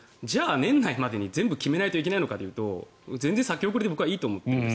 年内までに全部決めないといけないのかというと全部先送りで僕はいいと思っています。